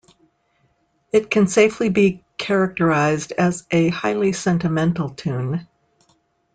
It can safely be characterized as a highly sentimental tune.